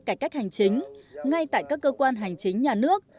cải cách hành chính ngay tại các cơ quan hành chính nhà nước